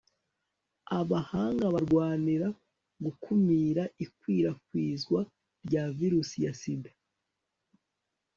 abahanga barwanira gukumira ikwirakwizwa rya virusi ya sida